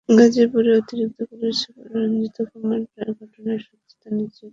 গাজীপুরের অতিরিক্ত police super Sanjit Kumar Roy ঘটনার সত্যতা নিশ্চিত করেছেন।